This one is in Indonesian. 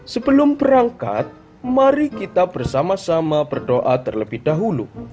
sebelum berangkat mari kita bersama sama berdoa terlebih dahulu